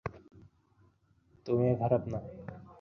তুমিও খারাপ না।